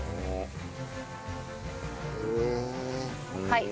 はい。